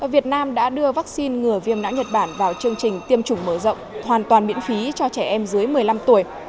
việt nam đã đưa vaccine ngừa viêm não nhật bản vào chương trình tiêm chủng mở rộng hoàn toàn miễn phí cho trẻ em dưới một mươi năm tuổi